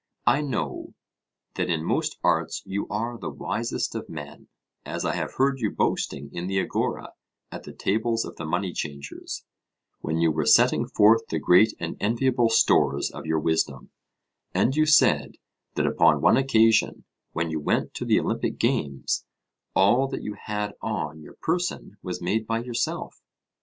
I know that in most arts you are the wisest of men, as I have heard you boasting in the agora at the tables of the money changers, when you were setting forth the great and enviable stores of your wisdom; and you said that upon one occasion, when you went to the Olympic games, all that you had on your person was made by yourself.